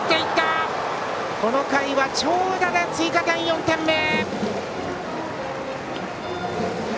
この回は長打で追加点、４点目！